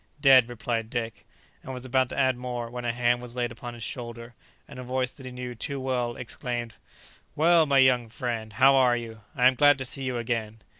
"Dead," replied Dick, and was about to add more, when a hand was laid upon his shoulder, and a voice that he knew too well exclaimed, "Well, my young friend, how are you? I am glad to see you again."